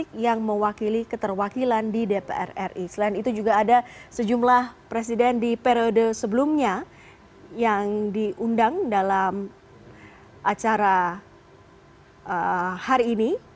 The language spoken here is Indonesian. dan ada juga sejumlah presiden yang diundang dalam acara hari ini